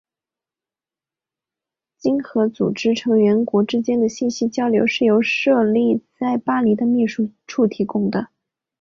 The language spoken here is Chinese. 经合组织成员国之间的信息交流是由设立在巴黎的秘书处提供的。